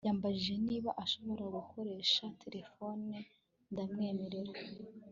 yambajije niba ashobora gukoresha terefone, ndamwemerera